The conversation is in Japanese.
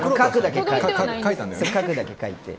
書くだけ書いて。